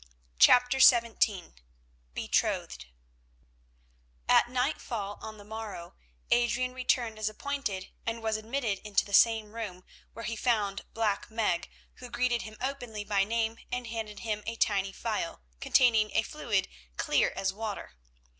CHAPTER XVII BETROTHED At nightfall on the morrow Adrian returned as appointed, and was admitted into the same room, where he found Black Meg, who greeted him openly by name and handed to him a tiny phial containing a fluid clear as water.